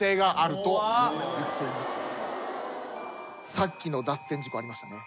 さっきの脱線事故ありましたね？